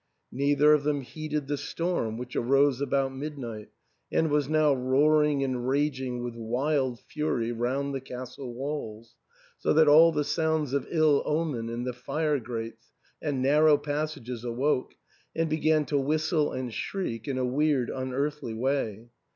Neither of them heeded the storm, which arose about midnight, and was now roaring and raging with wild fury round the castle walls, so that all the sounds of ill omen in the fire grates and narrow passages awoke, and began to whistle and shriek in a weird, unearthly way.